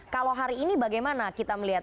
kalau hari ini bagaimana kita melihat